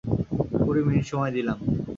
কুড়ি মিনিট সময় দিলাম।